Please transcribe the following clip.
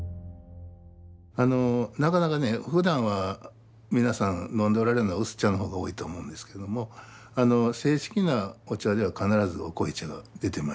なかなかねふだんは皆さん飲んでおられるのは薄茶の方が多いと思うんですけれども正式なお茶では必ずお濃茶が出てまいります。